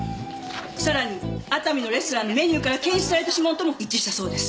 さらに熱海のレストランのメニューから検出された指紋とも一致したそうです。